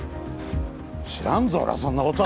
知らんぞ俺はそんなこと。